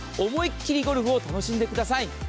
思いっきりゴルフを楽しんでください。